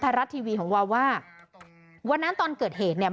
รัฐทีวีของวาว่าวันนั้นตอนเกิดเหตุเนี่ย